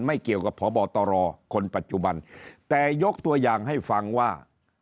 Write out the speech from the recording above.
ไม่เกี่ยวกับพบตรคนปัจจุบันแต่ยกตัวอย่างให้ฟังว่า